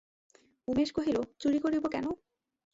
উমেশ কহিল, চুরি করিব কেন?